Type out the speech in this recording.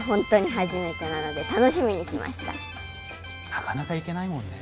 なかなか行けないもんね。